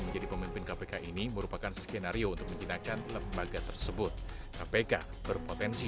menjadi pemimpin kpk ini merupakan skenario untuk menjinakkan lembaga tersebut kpk berpotensi